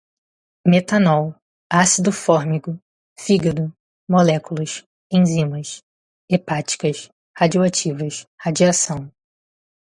metanol, ácido fórmigo, fígado, moléculas, enzimas, hepáticas, radioativas, radiação